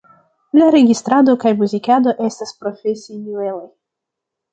La registrado kaj muzikado estas profesinivelaj.